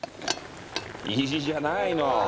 いいじゃないの！